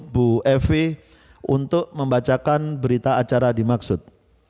bu evi untuk membacakan berita acara dimaksud